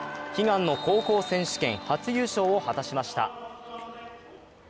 悲願の高校選手権初優勝を果たしました。